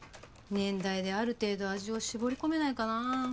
年代である程度味を絞り込めないかな？